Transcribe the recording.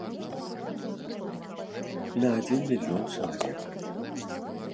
На адзін мільён чалавек.